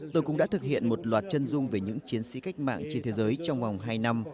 tôi cũng đã thực hiện một loạt chân dung về những chiến sĩ cách mạng trên thế giới trong vòng hai năm